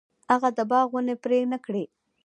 هغه د باغ ونې پرې نه کړې.